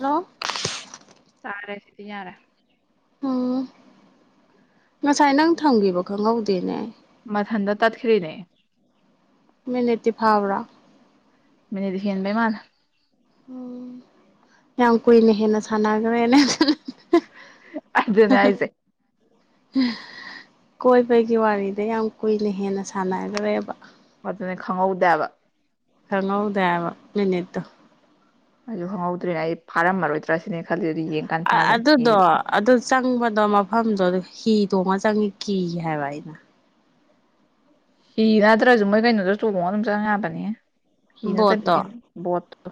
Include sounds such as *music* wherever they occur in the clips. hello ꯇꯥꯔꯦ ꯁꯤꯗꯤ ꯌꯥꯔꯦ ꯎꯝ ꯉꯁꯥꯏ ꯅꯪ ꯊꯝꯈꯤꯕ ꯈꯪꯍꯧꯗꯦꯅꯦ ꯃꯊꯥꯟꯇ ꯇꯥꯠꯈ꯭ꯔꯤꯅꯦ ꯃꯤꯅꯤꯠꯇꯤ ꯐꯥꯕ꯭ꯔꯣ ꯃꯤꯅꯤꯠ ꯍꯦꯟꯕꯩ ꯃꯥꯜꯂꯦ ꯎꯝ ꯌꯥꯝ ꯀꯨꯏꯅ ꯍꯦꯟꯅ ꯁꯥꯟꯅꯈ꯭ꯔꯦꯅꯦ *unintelligible* ꯑꯗꯨꯅꯦ ꯍꯥꯏꯁꯦ *unintelligible* ꯀꯣꯏꯕꯒꯤ ꯋꯥꯔꯤꯗ ꯌꯥꯝ ꯀꯨꯏꯅ ꯍꯦꯟꯅ ꯁꯥꯟꯅꯈ꯭ꯔꯦꯕ ꯑꯗꯨꯅꯦ ꯈꯪꯍꯧꯗꯦ ꯍꯥꯢꯕ ꯈꯪꯍꯧꯗꯦ ꯍꯥꯢꯕ ꯃꯤꯅꯤꯠꯇꯣ ꯑꯩꯁꯨ ꯈꯪꯍꯧꯗ꯭ꯔꯦ ꯑꯩ ꯐꯥꯔꯝꯃꯔꯣꯏꯗ꯭ꯔꯁꯤꯅꯦ ꯑꯩꯅ ꯈꯜꯂꯤꯁꯦ ꯑꯗꯨꯒ ꯌꯦꯡ ꯑ ꯑꯗꯨꯗꯣ ꯑꯗꯨ ꯆꯪꯕꯗꯣ ꯃꯐꯝꯗꯣ ꯍꯤ ꯇꯣꯡꯉ ꯆꯪꯉꯤ ꯀꯤ ꯍꯥꯏꯕ ꯑꯩꯅ ꯍꯤ ꯅꯠꯗ꯭ꯔꯁꯨ ꯃꯣꯏ ꯀꯩꯅꯣꯗ ꯇꯣꯡꯉꯣꯒ ꯑꯗꯨꯝ ꯆꯪꯡ ꯌꯥꯕꯅꯤꯍꯦ ꯍꯤ ꯅꯠꯇꯕꯤ ꯕꯣꯠꯇꯣ ꯀꯩꯅꯣ ꯕꯣꯠꯇꯣ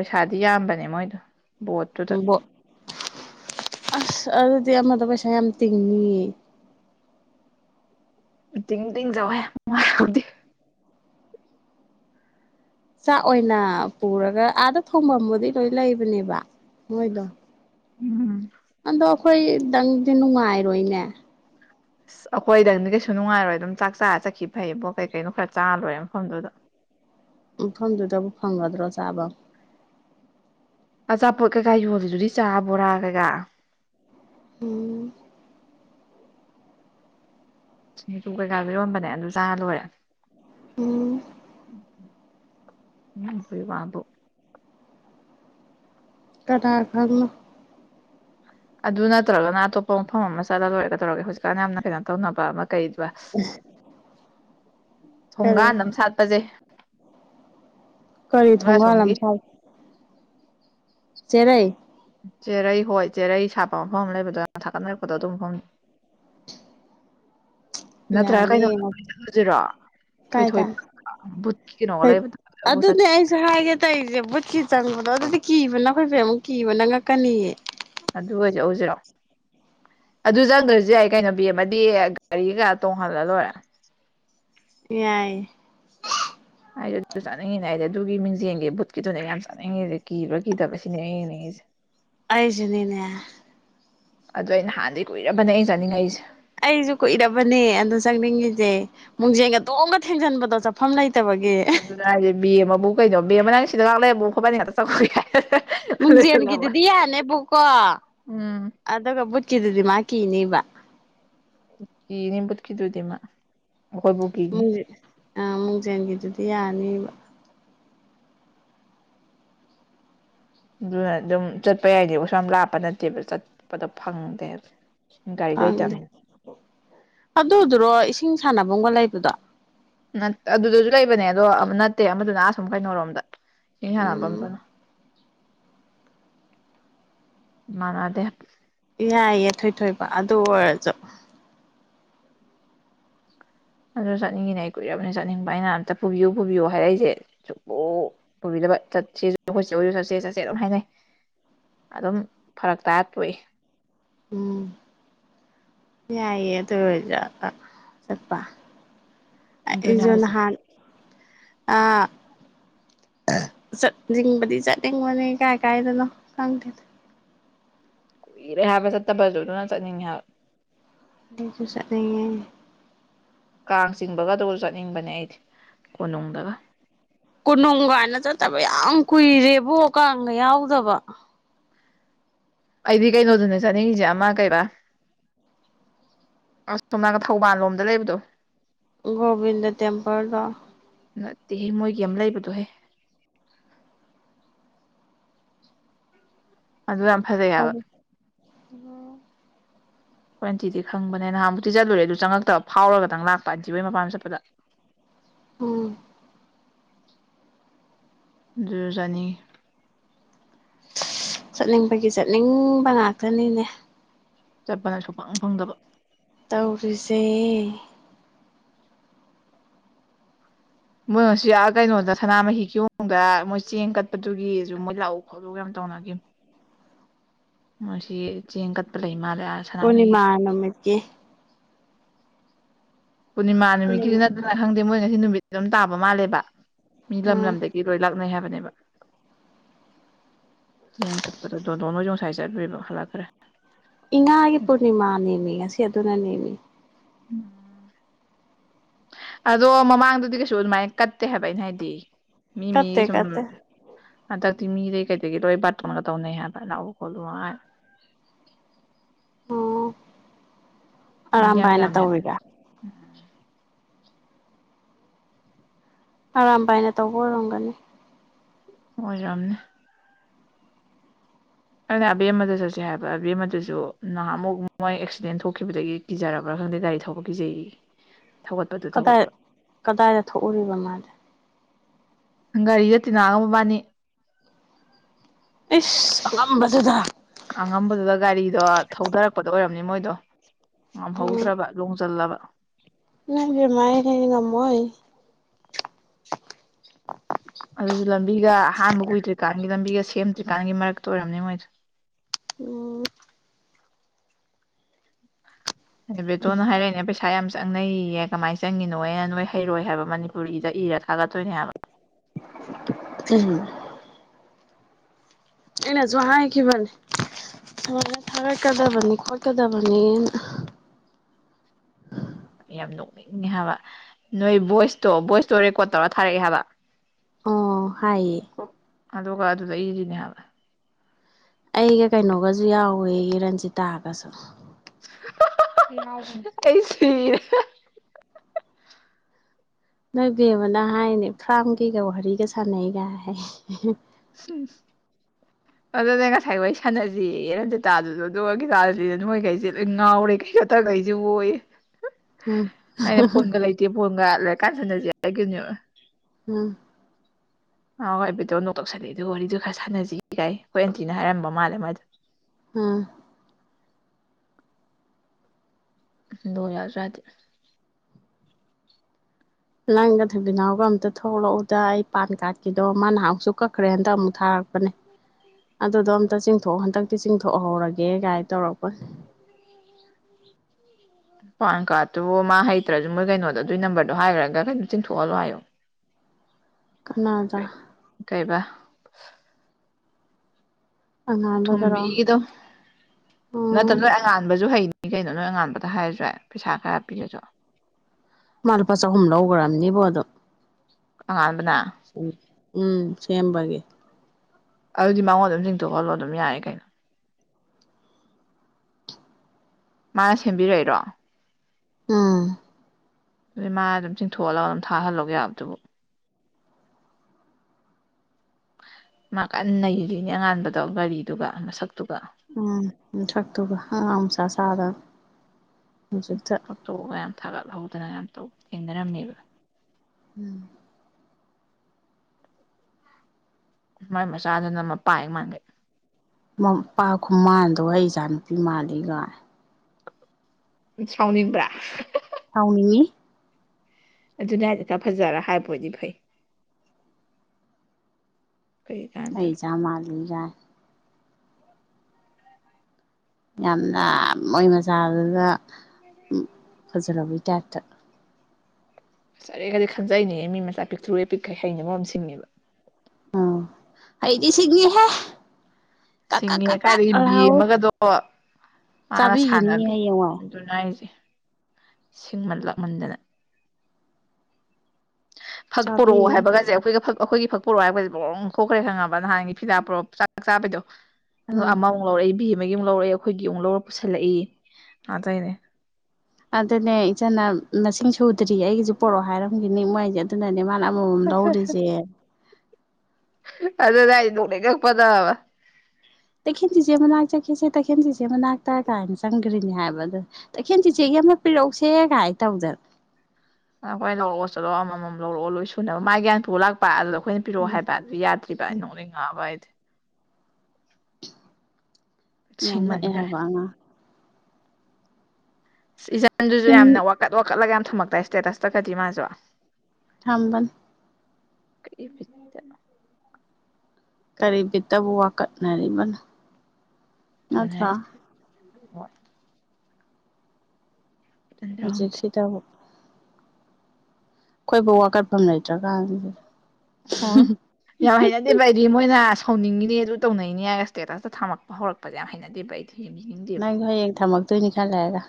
ꯄꯩꯁꯥꯗꯤ ꯌꯥꯝꯕꯅꯦ ꯃꯣꯏꯅ ꯕꯣꯠ ꯑꯁ ꯑꯗꯨꯗꯤ ꯑꯃꯗꯣ ꯄꯩꯁꯥ ꯌꯥꯝ ꯇꯤꯡꯅꯤꯌꯦ ꯇꯤꯡ ꯇꯤꯡꯖꯧꯍꯦ ꯃꯋꯥ ꯂꯧꯗꯦ ꯆꯥꯛ ꯑꯣꯏꯅ ꯄꯨꯔꯒ ꯑꯥꯗ ꯊꯣꯡꯐꯝꯕꯨꯗꯤ ꯂꯣꯏ ꯂꯩꯕꯅꯦꯕ ꯃꯣꯏꯗꯣ ꯎꯝ ꯑꯗꯣ ꯑꯩꯈꯣꯏꯗꯪꯗꯤ ꯅꯨꯡꯉꯥꯏꯔꯣꯏꯅꯦ ꯑꯩꯈꯣꯏꯗꯪꯗꯤ ꯀꯩꯁꯨ ꯅꯨꯡꯉꯥꯏꯔꯣꯏ ꯑꯗꯨꯝ ꯆꯥꯛ ꯆꯥꯔ ꯆꯠꯈꯤ ꯐꯩꯌꯦꯕꯣ ꯀꯩ ꯀꯩꯅꯣ ꯈꯔ ꯆꯥ ꯂꯣꯏꯔꯦ ꯃꯐꯝꯗꯨꯗ ꯃꯐꯝꯗꯨꯗꯕꯨ ꯐꯪꯒꯗ꯭ꯔꯣ ꯆꯥꯕꯝ ꯑꯆꯥꯄꯣꯠ ꯀꯩꯀꯥ ꯌꯣꯜꯂꯤꯗꯨꯗꯤ ꯆꯥ ꯕꯣꯔꯥ ꯀꯩꯀꯥ ꯎꯝ ꯁꯤꯡꯖꯨ ꯀꯩꯀꯥꯁꯨ ꯌꯣꯟꯕꯅꯦ ꯑꯗꯨ ꯆꯥꯔꯥ ꯂꯣꯏꯔꯦ ꯎꯝ ꯎꯝ ꯑꯗꯨꯏ ꯋꯥꯕꯨ ꯀꯅꯥ ꯈꯪꯕꯅꯣ ꯑꯗꯨ ꯅꯠꯇ꯭ꯔꯒꯅ ꯑꯇꯣꯞꯄ ꯃꯐꯝ ꯑꯃ ꯆꯠꯂ ꯂꯣꯏꯔꯦ ꯀꯩꯗꯧꯔꯒꯦ ꯍꯧꯖꯤꯛꯀꯥꯟ ꯌꯥꯝꯅ ꯀꯩꯅꯣ ꯇꯧꯅꯕ ꯑꯃ ꯀꯩꯕ ꯀꯔꯤ ꯊꯣꯡꯒꯥꯟ ꯑꯃ ꯁꯥꯠꯄꯁꯦ ꯀꯔꯤ ꯅꯣꯏ ꯊꯣꯡꯒꯥꯜ ꯑꯃ ꯑꯁꯣꯝꯒꯤ ꯁꯥꯠꯄ ꯆꯦꯔꯩ ꯆꯦꯔꯩ ꯍꯣꯏ ꯆꯦꯔꯩ ꯁꯥꯠꯄ ꯃꯐꯝ ꯑꯥꯃ ꯂꯩꯕꯗꯣ ꯌꯥꯝ ꯊꯥꯒꯠꯅꯔꯛꯄꯗꯣ ꯑꯗꯨꯏ ꯃꯐꯝ *inaudible* ꯅꯠꯇ꯭ꯔꯥ ꯌꯥꯏꯌꯦ ꯀꯩꯅꯣꯗ ꯖꯤꯔꯣ ꯊꯣꯏꯊꯣꯏ ꯀꯥꯏꯗ ꯕꯨꯠꯀꯤ ꯀꯩꯅꯣ ꯂꯩꯕꯗꯣ ꯑꯗꯨꯅꯦ *inaudible* ꯑꯩꯁꯨ *unintelligible* ꯕꯨꯠꯀꯤ ꯆꯪꯕꯗꯣ ꯑꯗꯨꯗꯤ ꯀꯤꯕꯅ ꯑꯩꯈꯣꯏ ꯐꯦꯝ ꯀꯤꯕꯅ ꯉꯛꯀꯅꯤꯌꯦ ꯑꯗꯨ ꯑꯣꯏ ꯆꯠꯂꯨꯖꯤꯔꯣ ꯑꯗꯨ ꯆꯪꯗ꯭ꯔꯖꯨ ꯌꯥꯏ ꯀꯩꯅꯣ ꯕꯦꯝꯃꯗꯤ ꯒꯥꯔꯤ ꯀꯥ ꯇꯣꯡꯍꯜꯂ ꯂꯣꯏꯔꯦ ꯌꯥꯏ ꯑꯩꯗꯤ ꯑꯗꯨꯁꯨ ꯆꯥꯅꯤꯡꯉꯤꯅꯦ ꯑꯩꯗꯤ ꯑꯗꯨꯒꯤ ꯃꯤꯡꯖꯦꯟꯒꯤ ꯕꯨꯠꯀꯤꯗꯨꯅꯦ ꯌꯥꯝ ꯆꯥꯅꯤꯡꯉꯤꯁꯦ ꯀꯤꯕ꯭ꯔ ꯀꯤꯗꯕ꯭ꯔ ꯁꯤꯅꯦ ꯑꯩꯅ ꯌꯦꯡꯅꯤꯡꯉꯤꯁꯦ ꯑꯩꯁꯨꯅꯤꯅꯦ ꯑꯗꯣ ꯑꯩꯅ ꯅꯍꯥꯟꯗꯒꯤ ꯀꯨꯏꯔꯔꯕꯅꯦ ꯑꯩꯅ ꯆꯥꯅꯤꯡꯉꯛꯏꯁꯦ ꯑꯩꯁꯨ ꯀꯨꯏꯔꯕꯅꯦ ꯑꯗꯨ ꯆꯪꯅꯤꯡꯉꯤꯁꯦ ꯃꯨꯡꯖꯦꯟꯒꯗꯣꯝꯒ ꯊꯦꯡꯖꯟꯕꯗꯣ ꯆꯠ ꯐꯝ ꯂꯩꯇꯕꯒꯤ ꯑꯗꯨꯅꯦ ꯍꯥꯏꯁꯦ ꯕꯦꯝꯃꯕꯨ ꯀꯩꯅꯣ ꯕꯦꯝꯃ ꯅꯪ ꯁꯤꯗꯉꯥꯛ ꯂꯩꯔꯝꯃꯨ ꯑꯩꯈꯣꯏꯕꯅꯤ ꯉꯥꯛꯇ ꯆꯪꯉꯨꯈꯤꯒꯦ ꯍꯥꯏꯔꯥ ꯃꯤꯡꯖꯦꯟꯒꯤꯗꯨꯗꯤ ꯌꯥꯅꯦꯕꯀꯣ ꯎꯝ ꯑꯗꯨꯒ ꯕꯨꯠꯀꯤꯗꯨꯗꯤ ꯃꯥ ꯀꯤꯅꯦꯕ ꯀꯤꯅꯤ ꯚꯨꯠꯀꯤꯗꯨꯗꯤ ꯃꯥ ꯑꯩꯈꯣꯏꯕꯧ ꯃꯨꯡꯖ ꯃꯨꯡꯖꯦꯟꯒꯤꯗꯨꯗꯤ ꯌꯥꯅꯤꯕ ꯑꯗꯨꯅ ꯑꯗꯨꯝ ꯆꯠꯄ ꯌꯥꯏꯅꯦꯕ ꯀꯩꯁꯨ ꯌꯥꯝ ꯂꯥꯞꯄ ꯅꯠꯇꯦꯕ ꯆꯠꯄꯗ ꯐꯪꯗꯦ ꯐꯪꯗꯦ ꯑꯗꯨꯗꯨꯔꯣ ꯏꯁꯤꯡ ꯁꯥꯟꯅꯕꯝꯒ ꯂꯩꯕꯗꯣ ꯅꯠ ꯑꯗꯨꯗꯁꯨ ꯂꯩꯕꯅꯦ ꯑꯗꯣ ꯅꯠꯇꯦ ꯑꯃꯗꯨꯅ ꯑꯁꯨꯝ ꯀꯩꯅꯣꯔꯣꯝꯗ ꯎꯝ *unintelligible* ꯃꯥꯟꯅꯗꯦ ꯌꯥꯏꯌꯦ ꯊꯣꯏꯊꯣꯏꯕ ꯑꯗꯨ ꯑꯣꯏꯔꯁꯨ ꯑꯗꯨ ꯆꯠꯅꯤꯡꯉꯤꯅꯦ ꯑꯩ ꯀꯨꯏꯔꯕꯅ ꯆꯠꯅꯤꯡꯕ ꯏꯩꯅ ꯑꯝꯇ ꯄꯨꯕꯤꯌꯨ ꯄꯨꯕꯤꯌꯨ ꯍꯥꯏꯔꯛꯏꯁꯦ ꯁꯨꯛꯄꯨ ꯄꯨꯕꯤꯗꯕ ꯆꯠꯁꯦ ꯑꯩꯈꯣꯏꯆꯦ ꯍꯣꯏꯁꯨ ꯆꯠꯁꯦ ꯆꯠꯁꯦ ꯑꯗꯨꯝ ꯍꯥꯏꯅꯩ ꯑꯗꯨꯝ ꯐꯔꯛ ꯇꯥꯔ ꯇꯣꯛꯏ ꯎꯝ ꯌꯥꯏꯌꯦ ꯑꯗꯨ ꯑꯣꯢꯔꯁꯨ ꯆꯠꯄ ꯑꯗꯨꯅꯦ ꯑꯩꯖꯨ ꯍꯥꯏꯁꯦ ꯅꯍꯥꯟ ꯑ ꯆꯠꯅꯤꯡꯕꯗꯤ ꯆꯠꯅꯤꯡꯕꯅꯤ ꯀꯥꯏ ꯀꯥꯏꯗꯅꯣ ꯈꯪꯗꯦ ꯀꯨꯏꯔꯦ ꯍꯥꯏꯕ ꯆꯠꯇꯕꯗ ꯑꯗꯨꯅ ꯆꯠꯅꯤꯡꯉꯦ ꯍꯥꯏꯕ ꯑꯗꯨꯁꯨ ꯆꯠꯅꯤꯡꯉꯦ ꯀꯥꯡ ꯆꯤꯡꯕꯒꯗꯣ ꯆꯠꯅꯤꯡꯕꯅꯦ ꯑꯩꯗꯤ ꯀꯣꯅꯨꯡꯗꯒ ꯀꯣꯅꯨꯡ ꯒꯥꯏꯅ ꯆꯠꯇꯕ ꯌꯥꯝ ꯀꯨꯏꯔꯦꯕꯣ ꯀꯥꯡꯒ ꯌꯥꯎꯗꯕ ꯑꯩꯗꯤ ꯀꯩꯅꯣꯗꯨꯅꯦ ꯆꯥꯅꯤꯡꯉꯤꯁꯦ ꯑꯃ ꯀꯩꯕ ꯑꯁꯣꯝꯅꯥꯒ ꯊꯧꯕꯥꯜ ꯂꯣꯝꯗ ꯂꯩꯕꯗꯣ ꯒꯣꯕꯤꯟꯗ ꯇꯦꯝꯄꯜꯂꯣ ꯅꯠꯇꯦꯍꯦ ꯃꯣꯏꯒꯤ ꯑꯃ ꯂꯩꯕꯗꯣꯍꯦ ꯑꯗꯨ ꯌꯥꯝ ꯐꯖꯩ ꯍꯥꯏꯕ ꯑꯩꯈꯣꯢ ꯑꯟꯇꯤꯗꯤ ꯈꯪꯕꯅꯦ ꯅꯍꯥꯟꯃꯨꯛꯇꯤ ꯆꯠꯂꯨꯔꯦ ꯑꯗꯨ ꯆꯪꯉꯛꯇꯕ ꯐꯥꯎꯔꯒꯗꯪ ꯂꯥꯛꯄ ꯑꯟꯇꯤꯍꯣꯏ ꯃꯄꯥꯝ ꯆꯠꯄꯗ ꯎꯝ ꯑꯗꯨꯖꯨ ꯆꯠꯅꯤꯡꯉꯤ ꯆꯠꯅꯤꯡꯕꯒꯤ ꯆꯠꯅꯤꯡꯕ ꯉꯥꯛꯇꯅꯤꯅꯦ ꯆꯠꯄꯅ ꯁꯨꯄꯪ ꯐꯪꯗꯕ ꯇꯧꯔꯤꯁꯦ ꯃꯣꯏ ꯉꯁꯤ ꯑꯥ ꯀꯩꯅꯣꯗ ꯁꯅꯥꯃꯍꯤ ꯀꯤꯌꯣꯡꯗ ꯃꯣꯏ ꯆꯦꯡ ꯀꯠꯄꯗꯨꯒꯤꯖꯨ ꯃꯣꯏ ꯂꯥꯛꯎ ꯈꯣ ꯑꯗꯨꯒ ꯌꯥꯝ ꯇꯧꯅꯒꯤꯝ ꯃꯁꯤ ꯆꯦꯡ ꯀꯠꯄ ꯂꯩ ꯃꯥꯜꯂꯦ ꯑꯥ ꯄꯨꯔꯅꯤꯃꯥ ꯁꯅꯥꯃꯍꯤꯒꯤꯗꯣ ꯅꯨꯃꯤꯠꯀꯤ ꯄꯨꯔꯅꯤꯃꯥ ꯅꯨꯃꯤꯠꯀꯤꯖꯨ ꯄꯨꯔꯅꯤꯃꯥ ꯅꯠꯇꯅ ꯈꯪꯗꯦ ꯃꯣꯏ ꯉꯁꯤ ꯅꯨꯃꯤꯠꯇꯣ ꯑꯝ ꯇꯥꯕ ꯃꯥꯜꯂꯦꯕ ꯃꯤ ꯂꯝ ꯑꯥ ꯂꯝꯗ ꯒꯤ ꯂꯣꯏ ꯂꯥꯛꯅꯩ ꯍꯥꯏꯕꯅꯦꯕ ꯆꯦꯡ ꯀꯠꯄꯗ ꯗꯣꯂꯣꯝ ꯍꯣꯏꯖꯨ ꯉ ꯁꯥꯏ ꯆꯠꯂꯨꯏꯕ ꯍꯥꯜꯂꯛꯈ꯭ꯔꯦ ꯏꯉꯥꯒꯤ ꯄꯨꯔꯅꯤꯃꯥꯅꯦꯃꯤ ꯉꯁꯤ ꯑꯗꯨꯅꯅꯦꯃꯤ *inaudible* ꯑꯗꯣ ꯃꯃꯥꯡꯗꯗꯤ ꯀꯩꯁꯨ ꯑꯗꯨꯃꯥꯏꯟ ꯀꯠꯇꯦ ꯍꯥꯏꯕ ꯑꯩꯅ ꯍꯥꯏꯗꯤ ꯃꯤ ꯃꯤꯒꯤ ꯀꯠꯇꯦ ꯁꯨꯝ ꯀꯠꯇꯦ ꯍꯟꯗꯛꯇꯤ ꯃꯤꯗꯩ ꯀꯩꯗꯒꯤ ꯂꯣꯏ ꯕꯥꯠ ꯇꯧꯅꯔꯒ ꯇꯧꯅꯩ ꯍꯥꯏꯕ ꯂꯥꯛꯎ ꯈꯣꯠꯂꯨ ꯍꯥꯏ ꯃꯤ ꯌꯥꯝ ꯑꯔꯥꯥꯝꯕꯥꯏꯅ ꯌꯥꯝꯃꯦ ꯍꯥꯏꯕꯅꯤ ꯇꯧꯔꯤꯔ *inaudible* ꯑꯔꯥꯝꯕꯥꯏꯅ ꯇꯧꯕ ꯑꯣꯏꯔꯝꯒꯅꯤ ꯑꯣꯏꯔꯝꯅꯦ ꯑꯩꯅ ꯑꯕꯦꯝꯃꯥꯗ ꯆꯠꯁꯦ ꯍꯥꯏꯕ ꯑꯕꯦꯝꯃꯗꯖꯨ ꯅꯍꯥꯝꯃꯨꯛ ꯃꯣꯏ ꯑꯦꯛꯁꯤꯗꯦꯟ ꯊꯣꯛꯈꯤꯕꯗꯒꯤ ꯀꯤꯖꯔꯕ꯭ꯔꯥ ꯈꯪꯗꯦ ꯒꯥꯔꯤ ꯊꯧꯕ ꯀꯤꯖꯩ ꯀꯗꯥꯏ ꯀꯗꯥꯏꯗ ꯊꯣꯛꯎꯔꯤꯕ ꯃꯥꯗꯤ ꯒꯥꯔꯤꯗ ꯇꯤꯅꯥꯒ ꯃꯕꯥꯅꯤ ꯏꯁ ꯑꯉꯝꯕꯗꯨꯗ ꯑꯉꯝꯕꯗꯨꯗ ꯒꯥꯔꯤꯗꯣ ꯊꯧꯗꯔꯛꯄꯗ ꯑꯣꯏꯔꯝꯅꯤ ꯃꯣꯏꯗꯣ ꯉꯝꯍꯧꯗ꯭ꯔꯕ ꯂꯣꯡꯖꯜꯂꯕ ꯅꯥꯏꯠ ꯕꯦꯝꯃ ꯑꯩꯗꯤ ꯉꯝꯃꯣꯏ *inaudible* ꯑꯗꯨꯖꯨ ꯂꯝꯕꯤꯒ ꯑꯍꯥꯟꯕ ꯀꯨꯏꯗ꯭ꯔꯤꯀꯥꯟꯒꯤ ꯂꯝꯕꯤꯒ ꯁꯦꯝꯗ꯭ꯔꯤꯀꯥꯟꯒꯤ ꯃꯔꯛꯇ ꯑꯣꯏꯔꯝꯅꯤ ꯃꯣꯏꯗꯨ ꯎꯝ ꯅꯦꯕꯦꯇꯣꯟꯅ ꯍꯥꯏꯔꯛꯏꯅꯦ ꯄꯩ ꯁꯥ ꯌꯥꯝ ꯆꯪꯅꯩꯌꯦ ꯀꯃꯥꯏꯟ ꯆꯪꯏꯅꯣꯌꯦ ꯑꯩꯅ ꯅꯣꯏ ꯍꯩꯔꯣꯏ ꯍꯥꯏꯕ ꯃꯅꯤꯄꯨꯔꯤꯗ ꯏꯔ ꯊꯥꯒꯠꯇꯣꯏꯅꯦ ꯍꯥꯏꯕ ꯎꯝ ꯑꯩꯅꯖꯨ ꯍꯥꯏꯒꯤꯕꯅꯦ ꯁꯨꯃꯥꯏꯅ ꯊꯥꯒꯠꯀꯗꯕꯅꯤ ꯈꯣꯠꯀꯗꯕꯅꯦꯅ ꯌꯥꯝ ꯅꯣꯛꯅꯤꯡꯉꯦ ꯍꯥꯏꯕ ꯅꯣꯏ ꯚꯣꯏꯁꯇꯣ ꯚꯣꯏꯁꯇꯣ ꯔꯦꯀꯣꯔꯠ ꯇꯧꯔ ꯊꯥꯔꯛꯑꯦ ꯍꯥꯏꯕ ꯑꯣ ꯍꯥꯏꯌꯦ ꯑꯗꯨꯒ ꯑꯗꯨꯗ ꯏꯔꯤꯅꯦ ꯍꯥꯏꯕ ꯑꯩꯒ ꯀꯩꯅꯣꯒꯖꯨ ꯌꯥꯎꯋꯦꯌꯦ ꯔꯟꯖꯤꯇꯥꯒꯖꯨ ꯑꯩ ꯁꯤꯔꯦ ꯅꯣꯏ ꯕꯦꯝꯃꯥꯅ ꯍꯥꯏꯅꯦ ꯐ꯭ꯔꯥꯝꯒꯤꯒ ꯋꯥꯔꯤꯒ ꯁꯥꯟꯅꯩꯒ ꯍꯥꯏ ꯍꯨꯝ *inaudible* ꯑꯗꯨꯅꯦ ꯉꯁꯥꯏ ꯋꯥꯔꯤ ꯁꯥꯟꯅꯁꯦꯌꯦ ꯔꯟꯖꯤꯇꯥꯗꯨꯖꯨ ꯑꯗꯨꯒ ꯒꯤꯇꯥꯖꯤꯅꯦ ꯃꯣꯏꯒꯩꯖꯦ ꯂꯣꯏꯅ ꯉꯥꯎꯔꯦ ꯀꯇꯛꯒꯩꯁꯤꯕꯣꯌꯦ *inaudible* ꯑꯩꯅ ꯐꯣꯟꯒ ꯂꯩꯇꯦ ꯐꯣꯟꯒ ꯂꯩꯔꯀꯥꯟꯗ ꯁꯥꯟꯅꯖꯦ ꯍꯥꯏꯒꯤꯅꯦꯕ ꯎꯝ ꯑꯥꯎꯒ ꯏꯕꯦꯇꯣꯟ ꯅꯣꯛ ꯇꯧꯁꯜꯂꯦ ꯑꯗꯨꯒ ꯋꯥꯔꯤꯗꯣ ꯈꯔ ꯁꯥꯟꯅꯖꯦ ꯒꯥꯏꯌꯦ ꯈꯣꯏ ꯑꯟꯇꯤꯅ ꯍꯥꯏꯔꯝꯕ ꯃꯥꯜꯂꯦ ꯃꯥꯏꯗꯨ ꯎꯝ ꯗꯣ ꯌꯥꯖꯨ ꯌꯗ‌ꯦ ꯅꯪꯒ ꯊ‌ꯣꯏꯕꯤꯅꯥꯎꯒ ꯑꯝꯇ ꯊꯣꯂꯛꯎꯗ ꯑꯩ ꯄꯥꯟ ꯀꯥꯔꯠꯀꯤꯗꯣ ꯃꯥ ꯅꯍꯥꯃꯨꯁꯨ ꯀꯛꯈ꯭ꯔꯦ ꯍꯟꯇꯛ ꯑꯃꯨꯛ ꯊꯥꯔꯛꯄꯅꯦ ꯑꯗꯨꯗꯣ ꯑꯝꯇ ꯆꯤꯡꯊꯣꯛ ꯍꯟꯇꯛꯇꯤ ꯆꯤꯡꯊꯣꯛ ꯍꯧꯔꯒꯦ ꯒꯥꯏ ꯇꯧꯔꯛꯄ *inaudible* ꯄꯥꯟ ꯀꯥꯔꯠꯇꯨ ꯃꯥ ꯍꯩꯇ꯭ꯔꯖꯨ ꯃꯣꯏ ꯀꯩꯅꯣꯗꯣ ꯑꯗꯨꯏ ꯅꯝꯕꯔꯗꯣ ꯍꯥꯏꯒ꯭ꯔꯒ ꯀꯩꯅꯣ ꯆꯤꯡꯊꯣꯛ ꯍꯜꯂꯣ ꯍꯥꯏꯌꯣ ꯀꯅꯥꯗ ꯀꯩ ꯀꯩꯕ ꯊ‌ꯣꯝꯕꯤ ꯑꯉꯥꯟꯕꯗꯔꯣ ꯒꯤꯗ‌ꯣ ꯅꯠꯇꯕ ꯎꯝ ꯅꯣꯏ ꯑꯉꯥꯟꯕꯖꯨ ꯍꯩꯅꯤ ꯀꯩꯅꯣ ꯅꯣꯏ ꯑꯉꯥꯟꯕꯗ ꯍꯥꯏꯔꯖꯨ ꯌꯥꯏ ꯄꯩꯁꯥ ꯈꯔ ꯄꯤꯔꯖꯨ ꯃꯥ ꯂꯨꯄꯥ ꯆꯍꯨꯝ ꯂꯧꯒ꯭ꯔꯥ ꯑꯝꯅꯤꯕꯣ ꯑꯗꯣ ꯑꯉꯥꯟꯕꯅ ꯎꯝ ꯁꯦꯝꯕꯒꯤ ꯑꯗꯨꯗꯤ ꯃꯉꯣꯟꯗ ꯑꯗꯨꯝ ꯆꯤꯡꯊꯣꯛꯍꯜꯂꯣ ꯑꯗꯨꯝ ꯌꯥꯏ ꯀꯩꯅꯣ ꯃꯥ ꯅ ꯁꯦꯝꯕꯤꯔꯛꯏꯔꯣ ꯎꯝ ꯑꯗꯨꯏ ꯃꯥ ꯑꯗꯨꯝ ꯆꯤꯡꯊꯣꯛꯍꯜꯂꯒ ꯑꯝ ꯊꯥꯍꯜꯂꯧꯕ ꯌꯥꯕꯗꯨꯕꯨ ꯃꯥ ꯀꯟ ꯅ‌ꯩꯔꯤꯅꯦ ꯑꯉꯥꯟꯕꯗꯣ ꯒꯥꯔꯤꯗꯨꯒ ꯃꯁꯛꯇꯨꯒ ꯎꯝ ꯃꯊꯛꯇꯨꯒ ꯑꯉꯥꯡꯃꯆꯥ ꯁꯥꯗ ꯍꯨꯖꯤꯛꯇ ꯇ‌ꯣ ꯃꯌꯥꯝ ꯊꯥꯒꯠ ꯍꯧꯗꯅ ꯌꯥꯝ ꯇꯧ ꯊꯦꯡꯅꯔꯝꯃ‌ꯦꯕ ꯎꯝ ꯃꯥꯏ ꯃꯆꯥꯗꯨꯅ ꯃꯄꯥ ꯍ‌ꯦꯛ ꯃꯥꯟꯒ‌ꯩ ꯃꯝꯄꯥ ꯈꯨꯃꯥꯟꯗꯣ ꯑꯩ ꯏꯆꯥ ꯅꯨꯄꯤ ꯃꯥꯜꯂꯤ ꯒꯥꯏ ꯁꯥꯎꯅꯤꯡꯕ꯭ꯔꯥ ꯁꯥꯎꯅꯤꯡꯉꯤ ꯑꯗꯨꯅ‌ꯦ ꯍꯥꯏꯖ‌ꯦ ꯈ ꯐꯖꯔꯥ ꯍꯥꯏꯕ ꯑ‌ꯣꯏꯗꯤ ꯐꯩ ꯀꯩ ꯀꯥꯟꯅ ꯑꯩ ꯇꯧꯋꯤ ꯏꯆꯥ ꯃꯥꯜꯂꯤ ꯒꯥꯏ ꯌꯥꯝꯅ ꯃꯣꯏ ꯃꯆꯥꯗꯨꯗ ꯎꯝ ꯐꯖꯔꯕꯩ ꯇꯥꯏꯞꯇ ꯐꯖꯔꯦꯒꯗꯤ ꯈꯟꯖꯩꯅꯤꯌꯦ ꯃꯤ ꯃꯆꯥ ꯄꯤꯛꯇꯔꯨ ꯍ‌ꯦ ꯄꯤꯛꯈꯩ ꯍꯩꯅ ꯃꯔ‌ꯣꯝ ꯁꯤꯡꯉꯤꯕ ꯑꯥꯎ ꯍꯩꯗꯤ ꯁꯤꯡꯉ‌ꯦꯍꯦ ꯁꯤꯡꯉꯦ ꯍ‌ꯦ ꯀꯥꯏꯗꯒꯤ ꯕꯦꯝꯃꯒꯗꯣ ꯃꯥꯅ ꯆꯥꯕꯤꯈꯤꯅꯤ ꯁꯥꯟꯅꯕꯤ ꯍꯌꯦꯡꯋꯥꯏ ꯗꯨꯅ‌ꯦ ꯍꯥꯏꯔꯤꯁ‌ꯦ ꯁꯤꯡꯃꯟ ꯂꯥꯛꯃꯟꯗꯅ ꯐꯛ ꯄ‌ꯣꯔꯑ‌ꯣ ꯆꯥꯕꯤꯈꯤꯅꯤ ꯍꯥꯏꯕꯒꯖ‌ꯦ ꯑꯈꯣꯏꯒ ꯐꯛ ꯑꯈꯣꯏꯒꯤ ꯐꯛ ꯄꯣꯔꯣ ꯍꯥꯏꯕꯒꯖ‌ꯦ ꯗ‌ꯣꯝ ꯊ‌ꯣꯛꯈ꯭ꯔꯦ ꯈꯪꯉꯕ ꯅꯍꯥꯟꯒꯤ ꯐꯤꯗꯥ ꯄꯣꯔꯣꯞ ꯆꯥꯛ ꯆꯥꯕꯗꯣ ꯑꯗ‌ꯣ ꯑꯃꯥ ꯃꯨꯛ ꯂꯧꯔꯛꯏ ꯕ‌ꯦꯝꯃꯒꯤ ꯑꯃꯨꯛ ꯍꯧꯔꯛꯏ ꯑꯈ‌ꯣꯏꯒꯤ ꯑꯃꯨꯛ ꯂꯧꯔ ꯄꯨꯁꯜꯂꯛꯏ ꯃꯇꯩꯅ‌ꯦ ꯑꯗꯨꯅꯦ ꯏꯆꯟ ꯅꯥ ꯅꯁꯤꯡ ꯁꯨꯗ꯭ꯔꯤ ꯑꯩꯒꯤꯖꯨ ꯄꯣꯔ‌ꯣ ꯍꯥꯏꯔꯝꯒꯅꯤ ꯃꯥꯏꯖ‌ꯦ ꯇꯨꯅꯅꯦ ꯃꯥ ꯅ ꯑꯃꯃꯝ ꯂꯧꯔꯤꯖ‌ꯦ ꯑꯗꯨꯅ‌ꯦ ꯍꯥꯏꯖ‌ꯦ ꯅꯣꯛꯅꯤꯡ ꯉꯛꯄꯅꯕ ꯇꯈꯦꯟ ꯆꯤꯆꯦ ꯃꯅꯥꯛ ꯆꯠꯀ‌ꯦꯁꯦ ꯇꯈꯦꯟ ꯆꯤꯆꯦ ꯃꯅꯥꯛꯇ ꯀꯥꯏꯅ ꯆꯪꯒ꯭ꯔꯤꯅ‌ꯦ ꯍꯥꯏꯕ ꯑꯗꯨ ꯇꯈꯦꯟ ꯆꯤꯆ‌ꯦꯒꯤ ꯑꯃꯥ ꯄꯤꯔꯛꯎꯁꯦ ꯀꯥꯏ ꯇꯧꯗꯅ ꯑꯥ ꯑꯈꯣꯏ ꯂꯧꯔꯑꯣ ꯆꯠꯂꯣ ꯑꯃꯃꯝ ꯂꯧꯔꯛꯑꯣ ꯂꯣꯏ ꯁꯨꯅ ꯃꯥꯒꯤ ꯍꯥꯟ ꯄꯨꯨꯔꯂꯥꯛꯄ ꯑꯗꯨꯗ ꯑꯈꯣꯏ ꯄꯤꯔꯛꯑꯣ ꯎꯝ ꯍꯥꯏꯕ ꯑꯗꯨ ꯌꯥꯗ꯭ꯔꯤꯕ ꯅꯣꯛꯅꯤꯡ ꯉꯛꯑꯕ ꯑꯩꯗꯤ ꯌꯥꯝ ꯉꯛꯑꯦ ꯁꯤꯡꯃꯟꯈꯔꯦ ꯍꯥꯏꯕ ꯑꯉꯥꯡ ꯏꯁ ꯏꯖꯟꯗꯨꯖꯨ ꯁꯤꯡ ꯌꯥꯝꯅ ꯋꯥꯀꯠ ꯋꯥꯀꯠꯂꯒ ꯌꯥꯝ ꯊꯃꯛꯇꯥꯏ ꯏꯁꯇꯦꯇꯁꯇ ꯒꯗꯤ ꯃꯥꯖꯨ ꯊꯝꯕꯅ‌ꯦ *inaudible* ꯀꯔꯤ ꯕꯤꯠꯇꯕꯨ ꯋꯥꯀꯠꯅꯔꯤꯕꯅꯣ ꯑꯗꯨꯅꯦ ꯅꯠꯇ꯭ꯔꯥ ꯍꯥꯢꯖꯦ ꯍꯣꯢ ꯆꯟꯗ꯭ꯔ ꯈꯪꯗꯦ ꯍꯧꯖꯤꯛꯁꯤꯗ ꯑꯃꯨꯛ ꯑꯩꯈꯣꯏꯕꯧ ꯋꯥꯀꯠꯐꯝ ꯂꯩꯇ꯭ꯔꯒꯥꯟꯁꯤꯗ ꯑꯥ ꯌꯥꯝ ꯍꯩꯅꯗꯦ *unintelligible* ꯑꯩꯗꯤ ꯃꯣꯏꯅ ꯁꯥꯎꯅꯤꯡꯉꯤꯅꯤ ꯑꯗꯨ ꯇꯧꯅꯩꯅꯦ ꯍꯥꯏꯒ ꯁ꯭ꯇꯦꯇꯁꯇ ꯊꯥꯝꯃꯛꯄ ꯍꯧꯔꯛꯄꯁꯦ ꯌꯥꯝ ꯍꯩꯅꯗꯦꯕ ꯑꯩꯥ *inaudible* ꯅꯪꯁꯨ ꯍꯌꯦꯡ ꯊꯝꯃꯛꯇꯣꯏꯅꯤ ꯈꯔ ꯂꯩꯔꯒ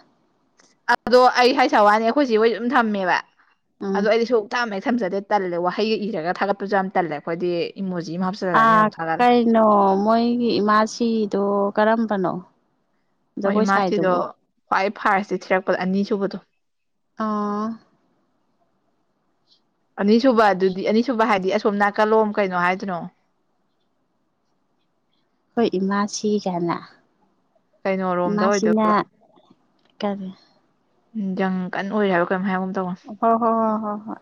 ꯑꯗꯣ ꯑꯩ ꯍꯥꯏꯁꯥ ꯋꯥꯅꯤ ꯑꯩꯈꯣꯏ ꯆꯦ ꯍꯣꯏꯁꯨ ꯑꯗꯨꯝ ꯊꯝꯃꯦꯕ ꯎꯝ ꯑꯗꯣ ꯑꯩꯗꯤ ꯁꯨꯡ ꯊꯝ ꯍꯦꯛ ꯊꯝꯖꯗꯦ ꯇꯜꯂꯦ ꯋꯥꯍꯩꯒ ꯏꯔꯒ ꯊꯥꯒꯠꯄꯁꯨ ꯌꯥꯝ ꯇꯜꯂꯦ ꯑꯩꯈꯣꯏꯗꯤ ꯏꯃꯣꯖꯤ ꯑꯃ ꯍꯥꯞꯆꯜꯂꯅꯤ ꯑꯗꯨꯝ ꯊꯥꯒꯠꯂꯦ ꯅꯣ ꯃꯣꯏꯒꯤ ꯏꯃꯥꯁꯤꯗꯣ ꯀꯔꯝꯕꯅꯣ ꯃꯣꯏ ꯖꯒꯣꯏ ꯏꯃꯥꯁꯤꯗꯣ ꯁꯥꯏꯗꯨꯕꯣ ꯈ꯭ꯋꯥꯏ ꯐꯥꯔꯁꯇ ꯊꯤꯔꯛꯄꯗ ꯑꯅꯤ ꯁꯨꯨꯕꯗꯣ ꯑꯥ ꯑꯅꯤꯁꯨꯕ ꯑꯗꯨꯗꯤ ꯑꯅꯤꯁꯨꯕ ꯍꯥꯏꯗꯤ ꯑꯁꯣꯝ ꯅꯥꯀꯜꯂꯣꯝ ꯀꯩꯅꯣ ꯍꯥꯏꯗꯨꯅꯣ ꯍꯣꯏ ꯏꯃꯥꯁꯤꯒꯥꯢꯅ ꯀꯩꯅꯣꯔꯣꯝꯗ ꯑꯣꯏꯗꯣꯏ ꯏꯃꯥꯁꯤꯅ ꯀꯔꯤ ꯎꯝ ꯖꯪ ꯀꯟ ꯑꯣꯏꯔꯦ ꯍꯥꯏꯕ ꯀꯃꯝ ꯍꯥꯏꯕꯨꯝ ꯑꯃ ꯇꯧꯕꯅꯦ ꯍ ꯍꯣ ꯍꯣ ꯍꯣ ꯍꯣꯏ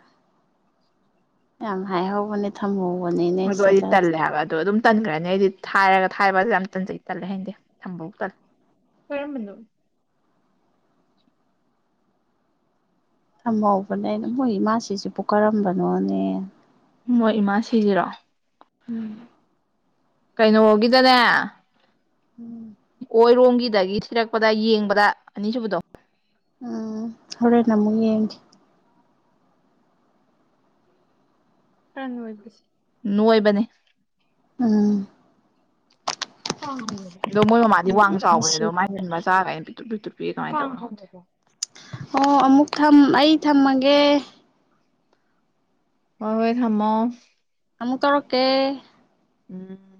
ꯌꯥꯝ ꯍꯥꯢꯍꯧꯕꯅꯦ ꯊꯝꯍꯧꯕꯅꯤ ꯑꯗꯣ ꯑꯩꯗꯤ ꯇꯜꯂꯦ ꯍꯥꯏꯕ ꯑꯗꯣ ꯑꯗꯨꯝ ꯇꯟꯈ꯭ꯔꯅꯤ ꯑꯩꯗꯤ ꯊꯥꯏꯔꯒ ꯊꯥꯏꯕꯁꯦ ꯌꯥꯝ ꯇꯟꯖꯩ ꯇꯜꯂꯦ ꯍꯏꯅꯗꯦ ꯊꯝꯕꯕꯧ ꯇꯜꯂꯦ ꯀꯔꯝꯕꯅꯣ ꯊꯝꯍꯧꯕꯅꯦꯅ ꯃꯣꯏ ꯏꯃꯥꯁꯤꯁꯤꯕꯨ ꯀꯥꯔꯝꯕꯅꯣꯅꯦ ꯃꯣꯏ ꯏꯃꯥ ꯁꯤꯁꯤꯔꯣ ꯎꯝ ꯀꯩꯅꯣꯒꯤꯗꯅꯦ ꯎꯝ ꯑꯣꯏꯔꯣꯝꯒꯤꯗꯒꯤ ꯊꯤꯔꯛꯄꯗ ꯌꯦꯡꯕꯗ ꯑꯅꯤꯁꯨꯕꯗꯣ ꯑꯥ ꯍꯣꯔꯦꯟ ꯑꯃꯨꯛ ꯌꯦꯡꯒꯦ ꯈꯔ ꯅꯣꯏꯕꯤꯁꯤ ꯅꯣꯢꯕꯅꯦ ꯑꯝ ꯑꯗꯣ ꯃꯣꯏ ꯃꯃꯥꯗꯤ ꯋꯥꯡ ꯆꯥꯎꯕꯅꯦ ꯃꯁꯤ ꯑꯗꯣ ꯃꯥꯏ ꯈꯔ ꯃꯆꯥ ꯀꯥꯏꯅ ꯄꯤꯠꯇ꯭ꯔꯨ ꯄꯤꯠꯇ꯭ꯔꯨ ꯄꯤꯛꯢ ꯀꯃꯥꯏꯅ ꯇꯧꯔꯤꯅꯣ ꯈꯪꯗꯦ ꯑꯣ ꯑꯃꯨꯛ ꯊꯝ ꯑꯩ ꯊꯝꯃꯒꯦ ꯍꯣꯏ ꯍꯣꯏ ꯊꯥꯝꯃꯣ ꯑꯃꯨꯛ ꯇꯧꯔꯛꯀꯦ ꯎꯝ